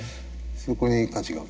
そこに価値がある。